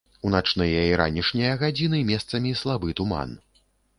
У начныя і ранішнія гадзіны месцамі слабы туман.